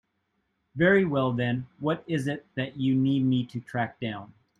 Very well then, what is it that you need me to track down?